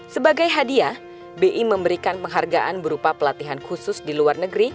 sebagai hadiah bi memberikan penghargaan berupa pelatihan khusus di luar negeri